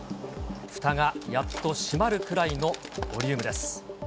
ふたがやっと閉まるくらいのボリュームです。